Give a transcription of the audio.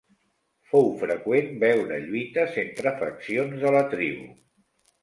Fou freqüent veure lluites entre faccions de la tribu.